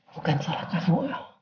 bukan salah kamu